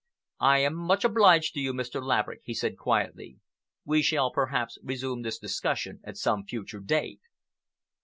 "I am much obliged to you, Mr. Laverick," he said quietly. "We shall, perhaps, resume this discussion at some future date."